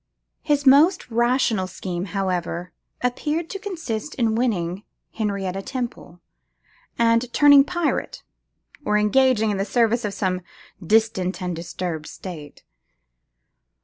His most rational scheme, however, appeared to consist in winning Henrietta Temple, and turning pirate, or engaging in the service of some distant and disturbed state.